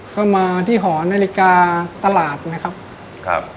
ก็มาที่หอนาฬิกาตลาดนะครับ